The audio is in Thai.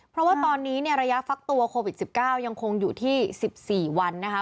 เพราะว่าตอนนี้เนี่ยระยะฟักตัวโควิด๑๙ยังคงอยู่ที่๑๔วันนะคะ